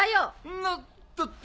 んなったって。